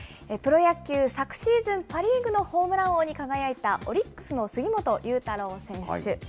プロ野球、昨シーズンパ・リーグのホームラン王に輝いたオリックスの杉本裕太郎選手。